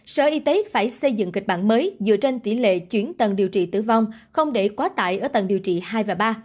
sở y tế phải xây dựng kịch bản mới dựa trên tỷ lệ chuyển tầng điều trị tử vong không để quá tải ở tầng điều trị hai và ba